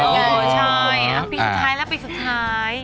ใช่ปีสุดท้ายแล้วปีสุดท้าย